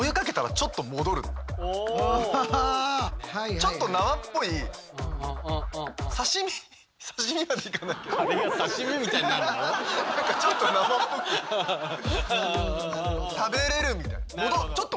ちょっと生っぽく食べれるみたいな。